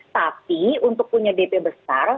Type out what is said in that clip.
tapi untuk punya dp besar